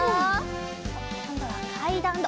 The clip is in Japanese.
おっこんどはかいだんだ！